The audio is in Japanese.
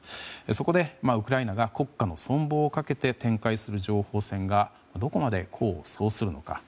そこで、ウクライナが国家の存亡をかけて展開する情報戦がどこまで功を奏するのか。